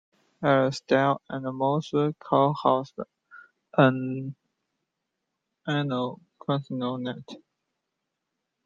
Ezra Stiles and Morse co-host an annual Casino Night.